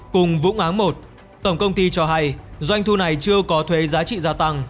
cùng vũng áng một tổng công ty cho hay doanh thu này chưa có thuê giá trị gia tăng